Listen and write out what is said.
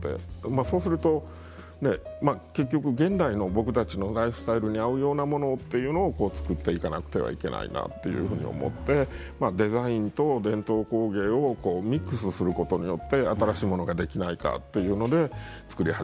そうすると結局現代の僕たちのライフスタイルに合うようなものっていうのを作っていかなくてはいけないなというふうに思ってデザインと伝統工芸をミックスすることによって新しいものができないかというので作り始めましたね。